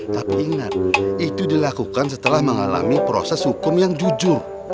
tapi ingat itu dilakukan setelah mengalami proses hukum yang jujur